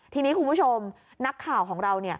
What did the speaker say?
ทีนี้คุณผู้ชมนักข่าวของเรา